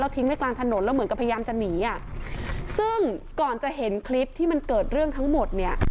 ทิ้งไว้กลางถนนแล้วเหมือนกับพยายามจะหนีอ่ะซึ่งก่อนจะเห็นคลิปที่มันเกิดเรื่องทั้งหมดเนี่ย